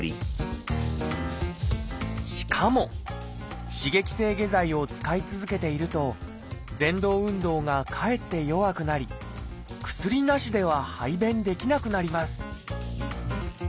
しかも刺激性下剤を使い続けているとぜん動運動がかえって弱くなり薬なしでは排便できなくなります